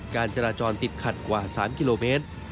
การจราจรติดขัดกว่า๓กิโลเมตร